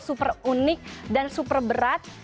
super unik dan super berat